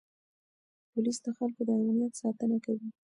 پولیس د خلکو د امنیت ساتنه کوي.